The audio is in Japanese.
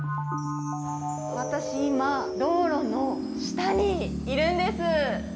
私、今、道路の下にいるんです。